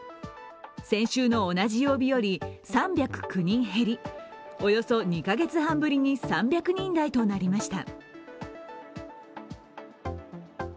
先週の同じ曜日より３０９人減りおよそ２カ月半ぶりに３００人台となりました。